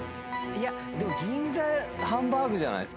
でも銀座ハンバーグじゃないですか。